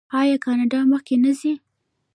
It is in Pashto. آیا کاناډا مخکې نه ځي؟